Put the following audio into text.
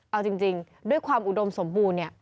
เอาจริงด้วยความอุดมสมบูรณ์เนี่ย